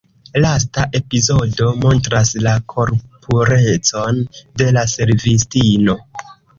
Lasta epizodo montras la korpurecon de la servistino.